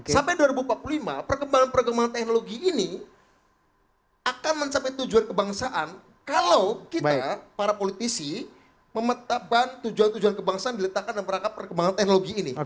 sampai dua ribu empat puluh lima perkembangan perkembangan teknologi ini akan mencapai tujuan kebangsaan kalau kita para politisi memetakan tujuan tujuan kebangsaan diletakkan dalam rangka perkembangan teknologi ini